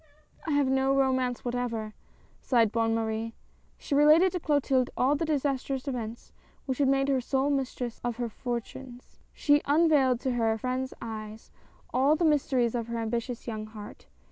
"I have no romance whatever!" sighed Bonne Marie. She related to Clotilde all the disastrous events which had made her sole mistress of her fortunes. She unvailed to her friend's eyes all the mysteries of her ambitious young heart.